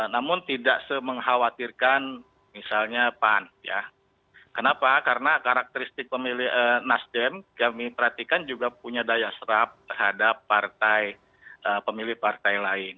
namun tidak se mengkhawatirkan misalnya pan ya kenapa karena karakteristik nasdem kami perhatikan juga punya daya serap terhadap partai pemilih partai lain